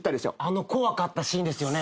怖かったシーンですよね？